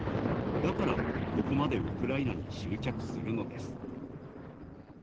だから、ここまでウクライナに執着するのです。